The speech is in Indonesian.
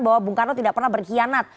bahwa bung karno tidak pernah berkhianat